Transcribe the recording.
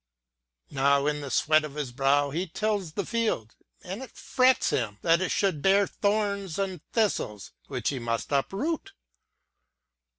Now in the sweat of his brow he tills the field, and it frets him that it should bear thorns and thistles which he must uproot.